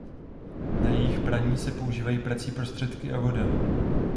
Na jejích praní se používají prací prostředky a voda.